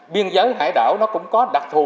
biên giới hải đảo nó cũng có đặc thù